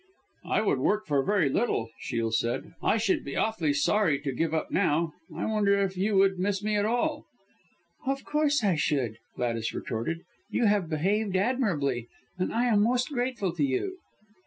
"I would work for very little," Shiel said. "I should be awfully sorry to give up now. I wonder if you would miss me at all?" "Of course I should!" Gladys retorted. "You have behaved admirably, and I am most grateful to you."